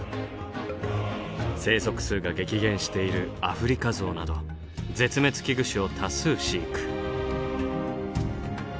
生息数が激減しているアフリカゾウなど絶滅危惧種を多数飼育。